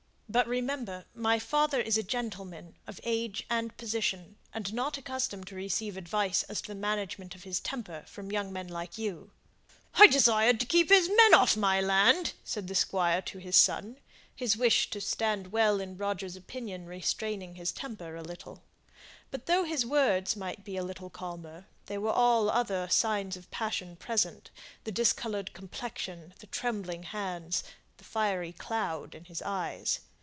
But, remember, my father is a gentleman of age and position, and not accustomed to receive advice as to the management of his temper from young men like you." [Illustration: THE BURNING OF THE GORSE.] "I desired him to keep his men off my land," said the Squire to his son his wish to stand well in Roger's opinion restraining his temper a little; but though his words might be a little calmer, there were all other signs of passion present the discoloured complexion, the trembling hands, the fiery cloud in his eyes.